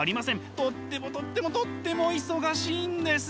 とってもとってもとっても忙しいんですね！